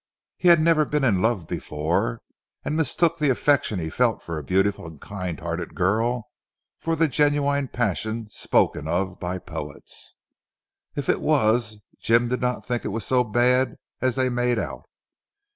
He had never been in love before and mistook the affection he felt for a beautiful and kind hearted girl for the genuine passion spoken of by poets. If it was, Jim did not think it was so bad as they made out.